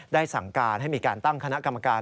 สั่งการให้มีการตั้งคณะกรรมการ